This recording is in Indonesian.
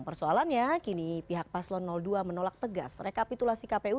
persoalannya kini pihak paslon dua menolak tegas rekapitulasi kpu